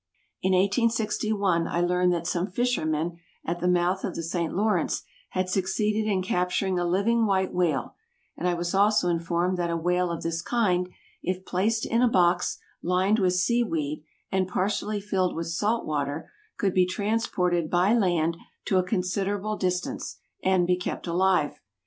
In 1861, I learned that some fishermen at the mouth of the St. Lawrence had succeeded in capturing a living white whale, and I was also informed that a whale of this kind, if placed in a box lined with sea weed and partially filled with salt water, could be transported by land to a considerable distance, and be kept alive.